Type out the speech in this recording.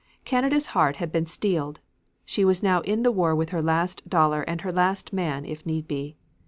Canada's heart had been steeled. She was now in the war with her last dollar and her last man if need be.